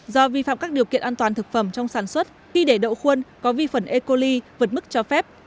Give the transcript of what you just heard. do vi phạm các điều kiện an toàn thực phẩm trong sản xuất khi để đậu khuôn có vi phần ecoli vượt mức cho phép